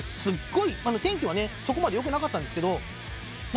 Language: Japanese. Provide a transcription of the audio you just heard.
天気はそこまでよくなかったんですが。